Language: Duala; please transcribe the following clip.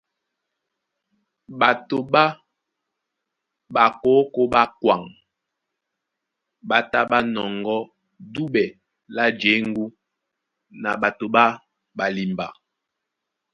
Ɓato ɓá ɓakókō ɓá kwaŋ ɓá tá ɓá nɔŋgɔ́ duɓɛ lá jěŋgú na ɓato ɓá ɓalimba.